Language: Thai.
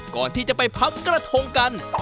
ก่อนที่จะไปพับกระทงกัน